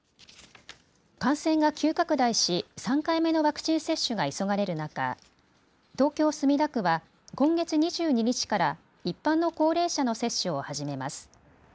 感染が急拡大し、３回目のワクチン接種が急がれる中、東京墨田区は今月２２日から一般の高齢者の接種を始めます。